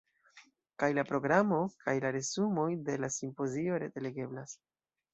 Kaj la programo kaj la resumoj de la simpozio rete legeblas.